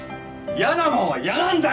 嫌なもんは嫌なんだよ！